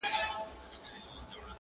لکه په مني کي له وني رژېدلې پاڼه -